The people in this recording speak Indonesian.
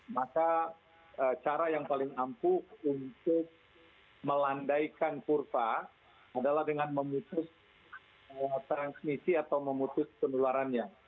maka cara yang paling ampuh untuk melandaikan kurva adalah dengan memutus transmisi atau memutus penularannya